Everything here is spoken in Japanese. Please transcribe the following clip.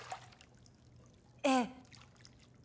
ええ。